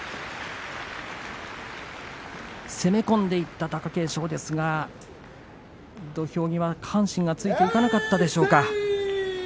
攻め込んでいった貴景勝ですが土俵際、下半身がついていかなかったでしょうか。